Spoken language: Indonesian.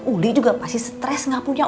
uli juga pasti stres gak punya uang